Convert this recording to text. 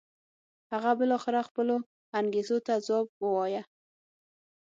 هغه بالاخره خپلو انګېزو ته ځواب و وایه.